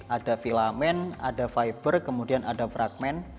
ada filament ada fiber kemudian ada fragment